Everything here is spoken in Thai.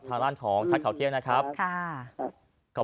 ดีมอย่างมากครับครับ